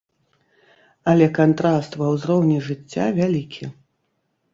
Але кантраст ва ўзроўні жыцця вялікі.